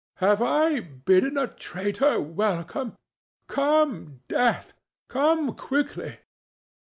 "Have I bidden a traitor welcome?—Come, Death! come quickly!"